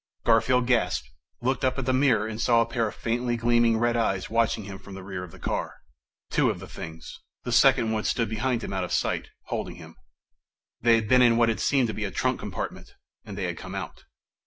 Garfield gasped, looked up at the mirror and saw a pair of faintly gleaming red eyes watching him from the rear of the car. Two of the things ... the second one stood behind him out of sight, holding him. They'd been in what had seemed to be the trunk compartment. And they had come out.